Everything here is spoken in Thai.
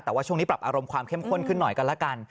แต่ว่าช่วงนี้ปรับอารมณ์ความเข้มข้นขึ้นหน่อยกันแล้วกัน